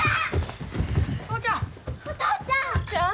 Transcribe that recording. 父ちゃん！